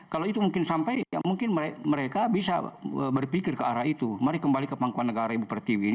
kalau itu mungkin sampai mungkin mereka bisa berpikir ke arah itu mari kembali ke pangkuan negara ibu pertiwi ini